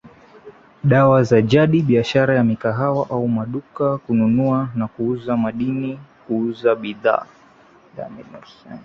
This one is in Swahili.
dawa za jadi biashara ya mikahawa au maduka kununua na kuuza madini kuuza bidhaa